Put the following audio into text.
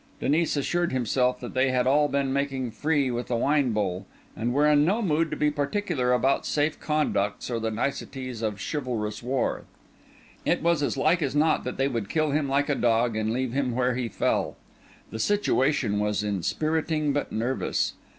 Denis assured himself that they had all been making free with the wine bowl, and were in no mood to be particular about safe conducts or the niceties of chivalrous war. It was as like as not that they would kill him like a dog and leave him where he fell. The situation was inspiriting but nervous.